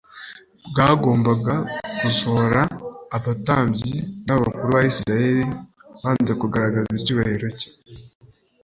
bwagombaga gusohora. Abatambyi n’abakuru ba Israeli banze kugaragaza icyubahiro cye,